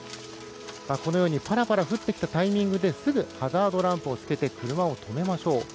パラパラ降ってきたタイミングですぐハザードランプをつけて車を止めましょう。